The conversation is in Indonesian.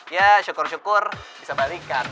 ya syukur syukur bisa balikkan